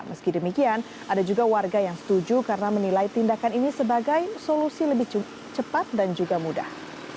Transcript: meski demikian ada juga warga yang setuju karena menilai tindakan ini sebagai solusi lebih cepat dan juga mudah